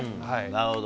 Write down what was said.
なるほど。